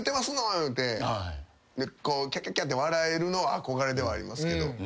いうてキャキャキャって笑えるのは憧れではありますけど。